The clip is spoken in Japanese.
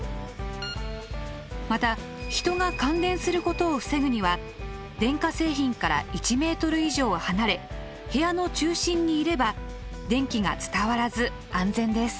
また人が感電することを防ぐには電化製品から１ｍ以上離れ部屋の中心にいれば電気が伝わらず安全です。